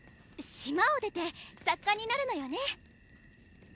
島を出て作家になるのよね？